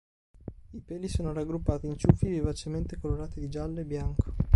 I peli sono raggruppati in ciuffi vivacemente colorati di giallo e bianco.